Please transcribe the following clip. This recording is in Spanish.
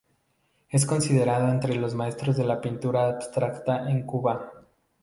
Es considerado entre los maestros de la pintura abstracta en Cuba.